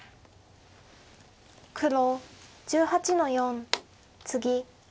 黒１８の四ツギ。